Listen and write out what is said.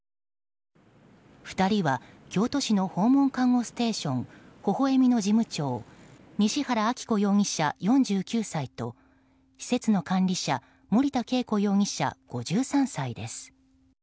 ２人は、京都市の訪問看護ステーションほほえみの事務長西原晶子容疑者、４９歳と施設の管理者森田佳子容疑者、５３歳です。